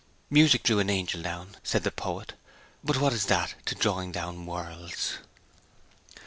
Music drew an angel down, said the poet: but what is that to drawing down worlds!'